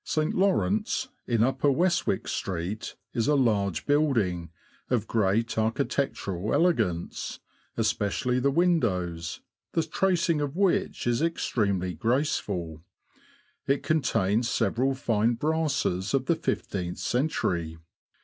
St. Lawrance, in Upper Westwick Street, is a large building, of great architectural elegance, especially the windows, the tracing of which is extremely grace ful. It contains several fine brasses of the fifteenth century.